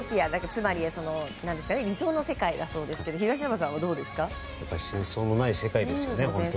つまり理想の世界だそうですが戦争のない世界ですよね。